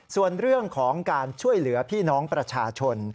ส่วนเรื่องของการช่วยเหลือพี่น้องประชาชน